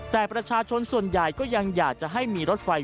แต่ประชาชนส่วนใหญ่ก็ยังอยากจะให้มีรถไฟ